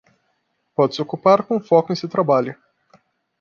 Pode-se ocupar com foco em seu trabalho.